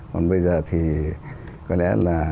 còn bây giờ thì có lẽ là